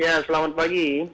ya selamat pagi